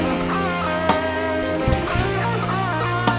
งานนี้ยาว